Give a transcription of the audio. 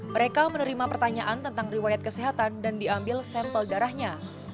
mereka menerima pertanyaan tentang riwayat kesehatan dan diambil sampel darahnya